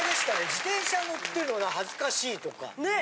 自転車に乗ってるのが恥ずかしいとか。ねぇ。